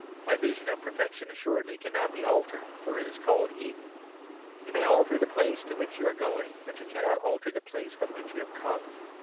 My vision of perfection assuredly cannot be altered; for it is called Eden. You may alter the place to which you are going; but you cannot alter the place from which you have come.